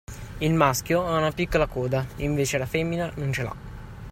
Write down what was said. Il maschio ha una piccola coda invece la femmina non c’è l’ha.